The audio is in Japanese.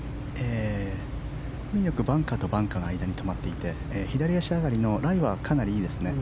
運よくバンカーとバンカーの間に止まっていて左足上がりのライはかなりいいですね。